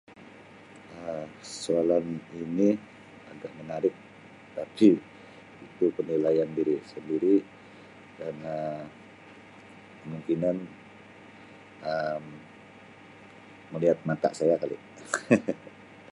Um Soalan ini agak menarik tapi itu penilaian diri sendiri dan Um kemungkinan Um melihat mata saya kali.